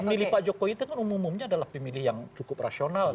pemilih pak jokowi itu kan umum umumnya adalah pemilih yang cukup rasional